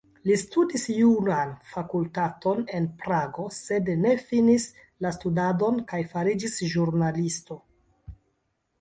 Li studis juran fakultaton en Prago, sed ne finis la studadon kaj fariĝis ĵurnalisto.